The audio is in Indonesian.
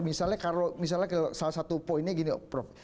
misalnya kalau misalnya salah satu poinnya gini prof